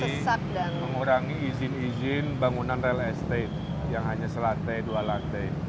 ya saya sudah mengurangi izin izin bangunan real estate yang hanya selantai dua lantai